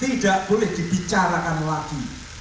tidak boleh dibicarakan lagi